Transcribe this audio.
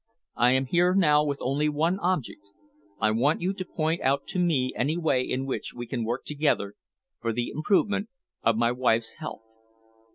I am here now with only one object: I want you to point out to me any way in which we can work together for the improvement of my wife's health."